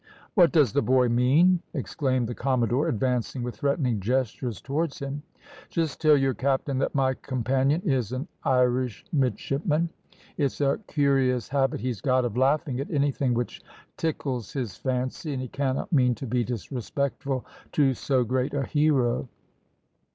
"What does the boy mean?" exclaimed the commodore, advancing with threatening gestures towards him. "Just tell your captain that my companion is an Irish midshipman. It's a curious habit he's got of laughing at anything which tickles his fancy, and he cannot mean to be disrespectful to so great a hero."